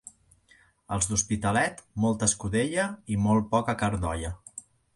Els d'Hospitalet, molta escudella i molt poca carn d'olla.